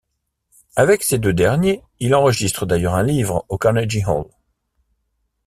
Avec ces deux derniers, il enregistre d’ailleurs un live au Carnegie Hall.